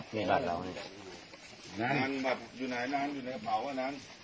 อยู่ไหนนั้นอยู่ไหนเผาอ่ะนั้น